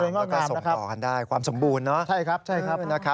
แล้วก็ส่งต่อกันได้ความสมบูรณ์เนาะ